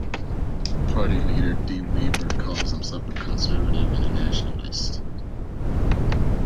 Party leader De Wever calls himself a conservative and a nationalist.